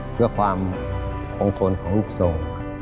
เพื่อความคงทนของรูปทรง